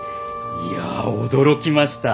いや驚きました。